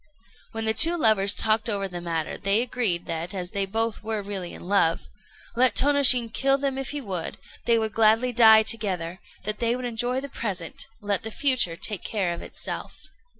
When the two lovers talked over the matter, they agreed that, as they both were really in love, let Tônoshin kill them if he would, they would gladly die together: they would enjoy the present; let the future take care of itself.